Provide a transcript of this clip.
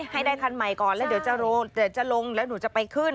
ให้ได้คันใหม่ก่อนแล้วเดี๋ยวจะลงแล้วหนูจะไปขึ้น